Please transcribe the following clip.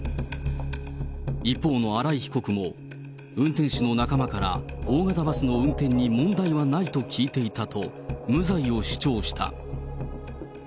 一方の荒井被告も、運転手の仲間から、大型バスの運転に問題はないと聞いていたと、無罪を主張した。